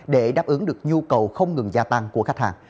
để đáp ứng được nhu cầu không ngừng gia tăng của khách hàng